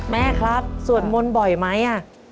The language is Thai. แม่ครับสวดมนต์บ่อยไหม